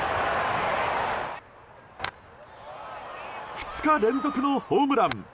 ２日連続のホームラン！